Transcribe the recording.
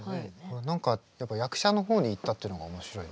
何か役者の方にいったっていうのが面白いね。